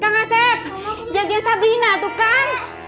kang asep jagain sabrina tuh kan